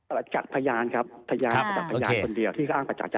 ประจักษ์พยานครับพยานคนเดียวที่อ้างประจักษ์